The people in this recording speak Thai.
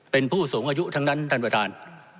เป็นผู้สูงอายุทั้งนั้นท่านประธาน